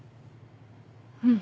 うん。